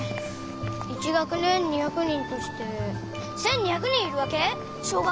１学年２００人として１，２００人いるわけ？小学校に。